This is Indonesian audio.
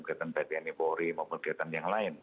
kegiatan pt nipori maupun kegiatan yang lain